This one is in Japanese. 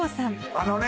あのね